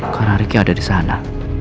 karena riki ada di sana